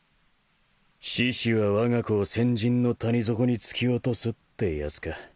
「獅子はわが子を千尋の谷底に突き落とす」ってやつか。